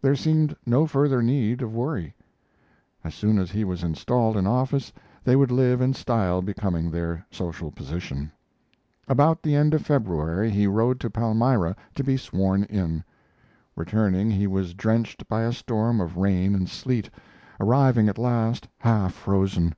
There seemed no further need of worry. As soon as he was installed in office they would live in style becoming their social position. About the end of February he rode to Palmyra to be sworn in. Returning he was drenched by a storm of rain and sleet, arriving at last half frozen.